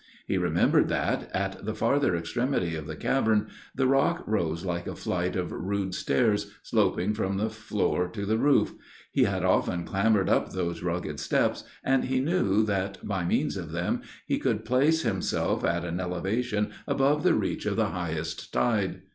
He remembered that, at the farther extremity of the cavern, the rock rose like a flight of rude stairs, sloping from the floor to the roof; he had often clambered up those rugged steps, and he knew that, by means of them, he could place himself at an elevation above the reach of the highest tide.